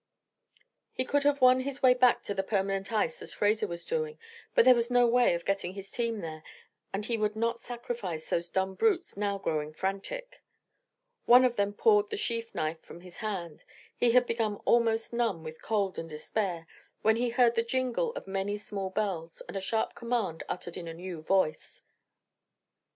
He could have won his way back to the permanent ice as Fraser was doing, but there was no way of getting his team there and he would not sacrifice those dumb brutes now growing frantic. One of them pawed the sheath knife from his hand. He had become almost numb with cold and despair when he heard the jingle of many small bells, and a sharp command uttered in a new voice.